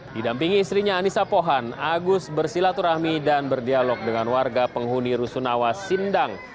didampingi istrinya anissa pohan agus bersilaturahmi dan berdialog dengan warga penghuni rusunawa sindang